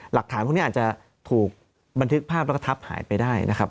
หลักฐานพวกนี้อาจจะถูกบันทึกภาพแล้วก็ทับหายไปได้นะครับ